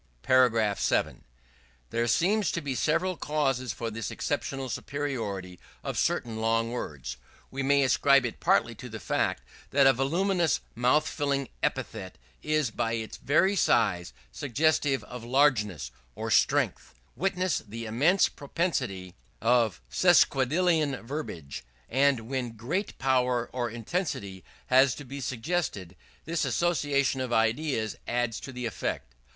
_§ 7. There seem to be several causes for this exceptional superiority of certain long words. We may ascribe it partly to the fact that a voluminous, mouth filling epithet is, by its very size, suggestive of largeness or strength; witness the immense pomposity of sesquipedalian verbiage: and when great power or intensity has to be suggested, this association of ideas aids the effect.